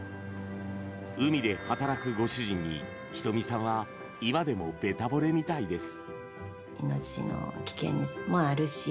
海で働くご主人に仁美さんは今でも、ベタぼれみたいです。